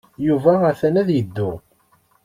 Yuba atan ad yeddu.